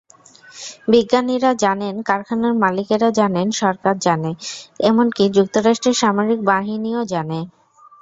বিজ্ঞানীরা জানেন, কারখানার মালিকেরা জানেন, সরকার জানে, এমনকি যুক্তরাষ্ট্রের সামরিক বাহিনীও জানে।